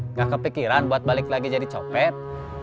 nggak kepikiran buat balik lagi jadi copet